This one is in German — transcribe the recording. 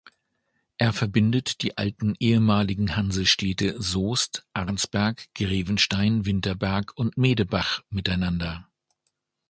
Er verbindet die alten ehemaligen Hansestädte Soest, Arnsberg, Grevenstein, Winterberg und Medebach miteinander.